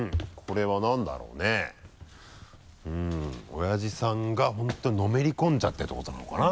おやじさんが本当にのめり込んじゃってってことなのかな？